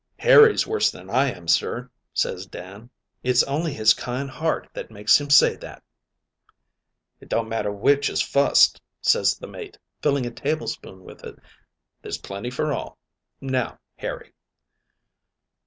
"'Harry's worse than I am, sir,' ses Dan; 'it's only his kind heart that makes him say that.' "'It don't matter which is fust,' ses the mate, filling a tablespoon with it, 'there's plenty for all. Now, Harry.'